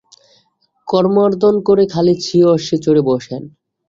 করমর্দন করে খালিদ স্বীয় অশ্বে চড়ে বসেন।